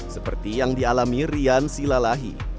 seperti yang dialami rian silalahi